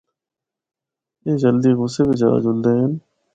اے جلدی غصے بچ آ جلدے ہن۔